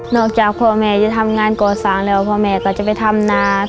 จากพ่อแม่จะทำงานก่อสร้างแล้วพ่อแม่ก็จะไปทำนา